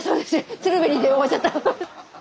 「鶴瓶に」で終わっちゃった。